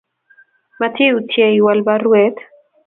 Matiutye iwalu baruet